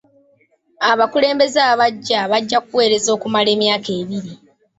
Abakulembeze abaggya bajja kuweereza okumala emyaka ebiri.